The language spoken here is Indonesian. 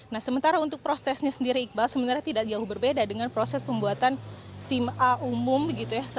nah sementara untuk prosesnya sendiri iqbal sebenarnya tidak jauh berbeda dengan proses pembuatan sim a umum gitu ya